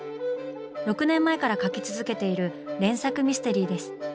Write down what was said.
６年前から描き続けている連作ミステリーです。